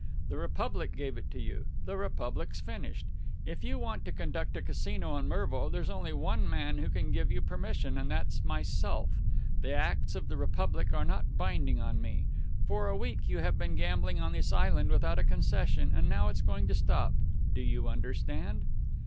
The Republic gave it to you. The Republic's finished. If you want to conduct a Casino in Mervo, there's only one man who can give you permission, and that's myself. The acts of the Republic are not binding on me. For a week you have been gambling on this island without a concession and now it's going to stop. Do you understand?"